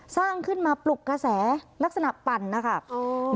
สร้างขึ้นมาปลุกกระแสลักษณะปั่นนะคะ